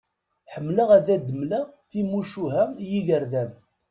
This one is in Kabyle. Ḥemmleɣ ad d-mleɣ timucuha i yigerdan.